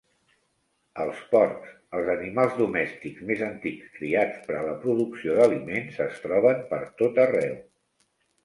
Els porcs, els animals domèstics més antics criats per a la producció d'aliments, es troben pertot arreu.